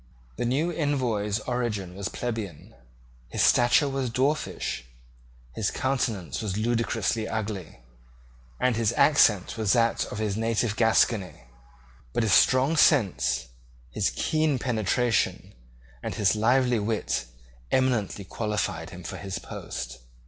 The new Envoy's origin was plebeian, his stature was dwarfish, his countenance was ludicrously ugly, and his accent was that of his native Gascony: but his strong sense, his keen penetration, and his lively wit eminently qualified him for his post.